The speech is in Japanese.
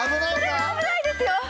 それは危ないですよ！